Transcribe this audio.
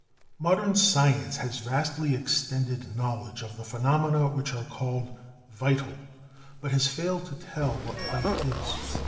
Modern science has vastly extended knowledge of the phenomena which are called vital but has failed to tell what life is.